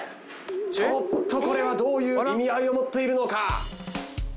ちょっとこれはどういう意味合いを持っているのか。